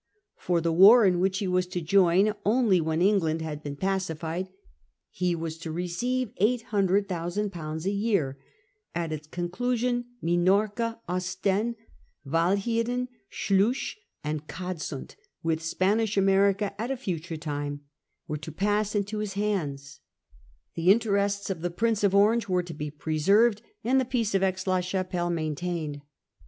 For the war, in which he was to join only when England had been pacified, he was to receive 800,000/. a year ; at its conclusion Minorca, Ostend, Walclieren, Sluys, and Cadsand, with Spanish America at a future time, were to pass into his hands ; the interests of the Prince of Orange were to be preserved, and the Peace of Aix la Chapelle maintained.